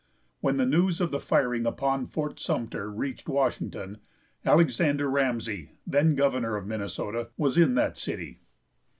When the news of the firing upon Fort Sumter reached Washington, Alexander Ramsey, then governor of Minnesota, was in that city.